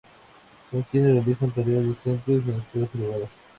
Son quienes realizan tareas docentes en escuelas privadas.